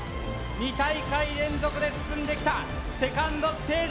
２大会連続で進んできたセカンドステージ